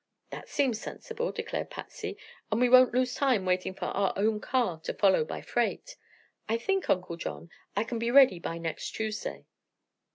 "That seems sensible," declared Patsy, "and we won't lose time waiting for our own car to follow by freight. I think, Uncle John, I can be ready by next Tuesday."